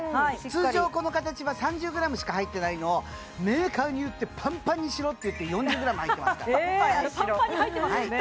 通常この形は３０ｇしか入ってないのをメーカーに言ってパンパンにしろって言って４０ｇ入ってますからパンパンに入ってますもんね